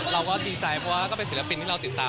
เราก็ดีใจเพราะว่าก็เป็นศิลปินที่เราติดตาม